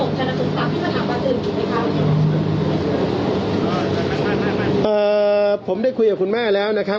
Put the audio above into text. ที่ประถามประสิทธิ์หรือเปล่าเอ่อผมได้คุยกับคุณแม่แล้วนะครับ